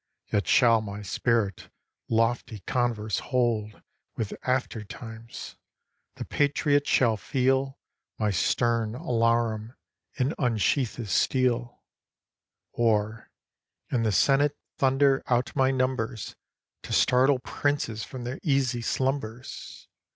Yet shall my spirit lofty converse hold With after times. â The patriot shall feel My stern alarum, and unsheath his steel ; Or, in the senate thunder out m) numbers To startle princes from their easy slumbers.